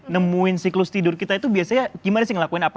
nemuin siklus tidur kita itu biasanya gimana sih ngelakuin apa